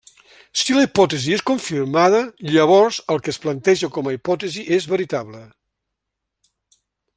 Si la hipòtesi és confirmada, llavors el que es planteja com a hipòtesi és veritable.